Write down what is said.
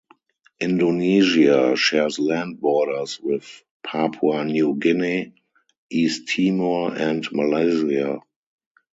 Indonesia shares land borders with Papua New Guinea, East Timor, and Malaysia.